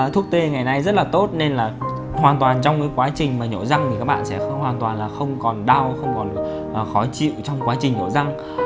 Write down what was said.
thuốc tê ngày nay rất là tốt nên là hoàn toàn trong cái quá trình mà nhổ răng thì các bạn sẽ hoàn toàn là không còn đau không còn khó chịu trong quá trình nhổ răng